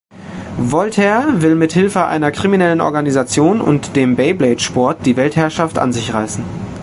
Voltaire will mithilfe einer kriminellen Organisation und dem Beyblade-Sport die Weltherrschaft an sich reißen.